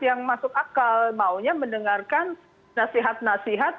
yang masuk akal maunya mendengarkan nasihat nasihat